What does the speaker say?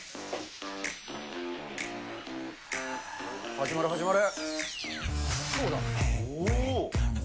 始まる、始まる。